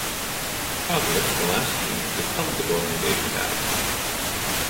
Codrus, the last king, repelled the Dorian Invasion of Attica.